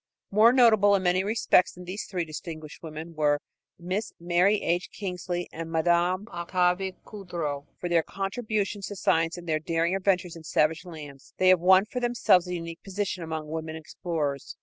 More notable in many respects than these three distinguished women were Miss Mary H. Kingsley and Madame Octavie Coudreau. For their contributions to science and for their daring adventures in savage lands, they have won for themselves an unique position among women explorers.